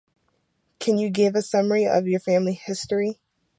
Can you give a summary of your family history?